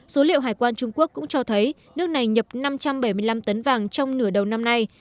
số liệu hải quan trung quốc cũng cho thấy nước này nhập năm trăm bảy mươi năm tấn vàng trong nửa đầu năm nay